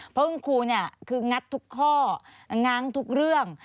เพราะคุณครูเนี่ยคืองัดทุกข้อง้างทุกเรื่อง